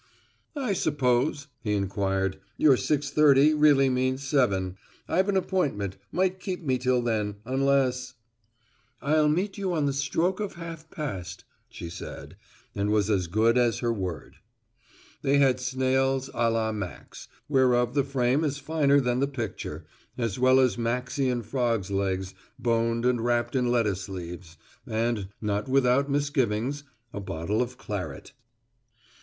"I suppose," he inquired, "your six thirty really means seven. I've an appointment, might keep me till then, unless " "I'll meet you on the stroke of half past," she said, and was as good as her word. They had snails à la Max, whereof the frame is finer than the picture, as well as Maxian frogs' legs, boned and wrapped in lettuce leaves, and, not without misgivings, a bottle of claret.